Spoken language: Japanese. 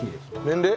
年齢？